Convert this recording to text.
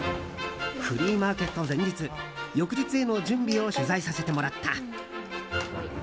フリーマーケット前日翌日への準備を取材させてもらった。